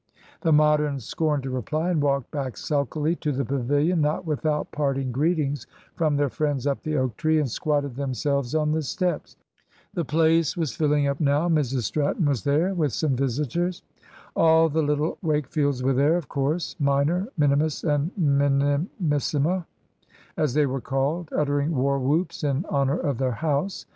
The Moderns scorned to reply, and walked back sulkily to the pavilion, not without parting greetings from their friends up the oak tree, and squatted themselves on the steps. The place was filling up now. Mrs Stratton was there with some visitors. All the little Wakefields were there, of course "minor, minimus, and minimissima," as they were called uttering war whoops in honour of their house.